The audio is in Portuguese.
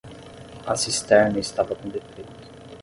A cisterna estava com defeito.